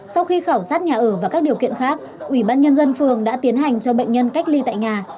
sau khi khảo sát nhà ở và các điều kiện khác ủy ban nhân dân phường đã tiến hành cho bệnh nhân cách ly tại nhà